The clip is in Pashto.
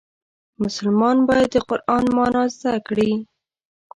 مسلمان باید د قرآن معنا زده کړي.